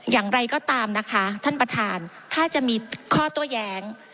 อย่างไรก็ตามนะคะท่านประธานถ้าจะมีข้อโต้แย้ง